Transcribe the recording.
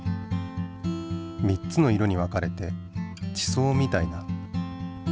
３つの色に分かれて地層みたいな。